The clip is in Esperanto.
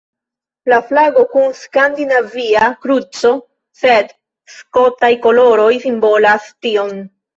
La flago kun Skandinavia kruco sed Skotaj koloroj simbolas tion.